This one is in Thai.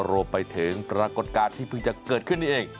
รวมไปถึงปรากฏการณ์ที่เพิ่งจะเกิดขึ้นนี่เอง